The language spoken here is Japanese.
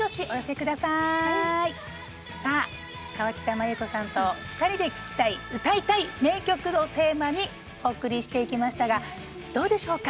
さあ河北麻友子さんと「２人で聴きたい＆歌いたい名曲」をテーマにお送りしていきましたがどうでしょうか？